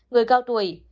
người cao tuổi